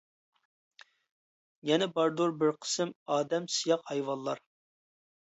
يەنە باردۇر بىر قىسىم ئادەم سىياق ھايۋانلار.